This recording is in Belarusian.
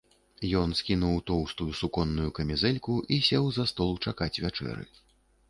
Ён скінуў тоўстую суконную камізэльку і сеў за стол чакаць вячэры.